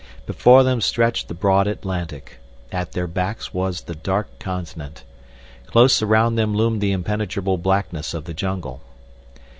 Before them stretched the broad Atlantic. At their backs was the Dark Continent. Close around them loomed the impenetrable blackness of the jungle.